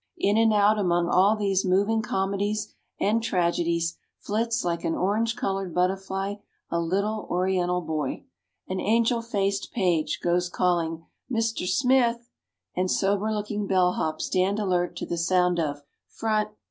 In and out among all these moving comedies and tragedies flits like an orange colored butterfly a little Oriental boy, an angel faced page goes calling "Mister Smith," and sober looking bell hops stand alert to the sound of "Front."